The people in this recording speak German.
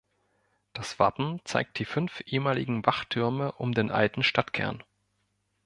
Das Wappen zeigt die fünf ehemaligen Wachtürme um den alten Stadtkern.